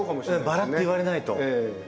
バラって言われないと。